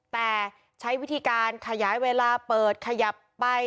แต่ใช้วิธีการขยายเวลาเปิดขยับไป